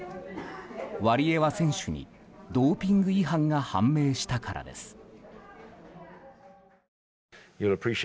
ワリエワ選手にドーピング違反が判明したからです。